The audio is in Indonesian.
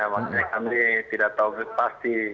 maksudnya kami tidak tahu pasti